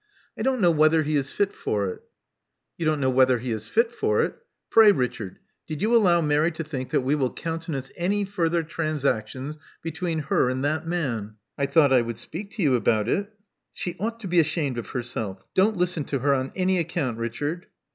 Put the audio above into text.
I don't know whether he is fit for it?" You don't know whether he is fit for it! Pray, Richard, did you allow Mary to think that we will countenance any further transactions between her and that man." I thought I would speak to you about it." "She ought to be ashamed of herself. Don't listen to her on any account, Richard."